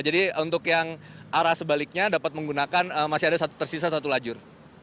jadi untuk yang arah sebaliknya dapat menggunakan masih ada tersisa satu lajur